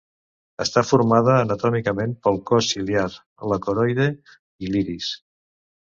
Està formada anatòmicament pel cos ciliar, la coroide i l'iris.